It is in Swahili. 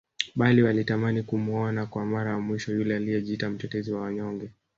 Bali walitamani kumuona kwa Mara ya mwisho yule aliyejiita mtetezi wa wanyonge